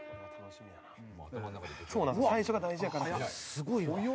すごいわ。